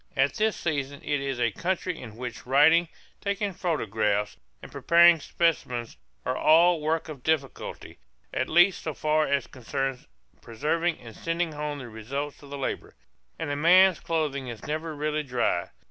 At this season it is a country in which writing, taking photographs, and preparing specimens are all works of difficulty, at least so far as concerns preserving and sending home the results of the labor; and a man's clothing is never really dry.